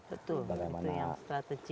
itu yang strategik ya